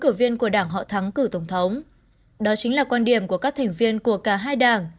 cử viên của đảng họ thắng cử tổng thống đó chính là quan điểm của các thành viên của cả hai đảng